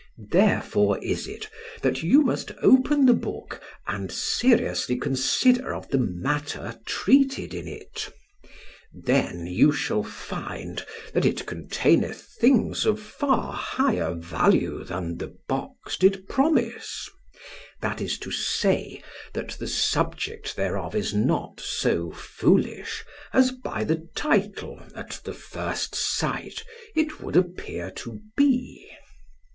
Therefore is it, that you must open the book, and seriously consider of the matter treated in it. Then shall you find that it containeth things of far higher value than the box did promise; that is to say, that the subject thereof is not so foolish as by the title at the first sight it would appear to be.